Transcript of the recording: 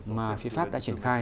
mà phía pháp đã triển khai